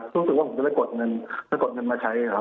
รู้สึกว่าผมจะไปกดเงินไปกดเงินมาใช้ครับ